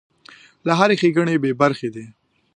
له هرې ښېګڼې بې برخې دی.